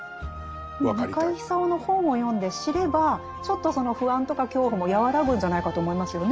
中井さんの本を読んで知ればちょっとその不安とか恐怖も和らぐんじゃないかと思いますよね。